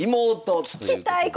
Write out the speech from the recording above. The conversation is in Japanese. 聞きたい